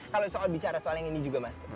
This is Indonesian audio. kalau bicara soal ini juga mas